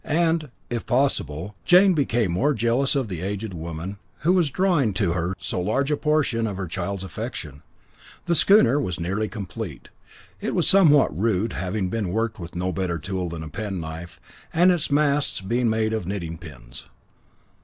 And, if possible, Jane became more jealous of the aged woman, who was drawing to her so large a portion of her child's affection. The schooner was nearly complete. It was somewhat rude, having been worked with no better tool than a penknife, and its masts being made of knitting pins.